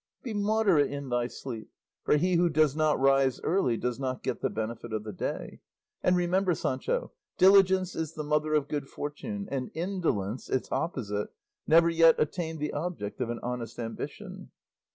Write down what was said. "Be moderate in thy sleep; for he who does not rise early does not get the benefit of the day; and remember, Sancho, diligence is the mother of good fortune, and indolence, its opposite, never yet attained the object of an honest ambition.